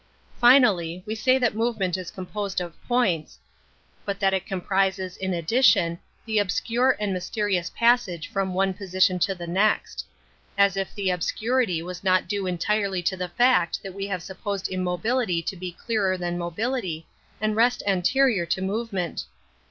Finally, we say that movement is composed of points, but that Metaphysics 51 it comprises, in addition, the obscure and mysterious passage from one position to the next. As if the obscurity was not due entirely to the fact that we have supposed immobility to be clearer than mobility and rest anterior to movement!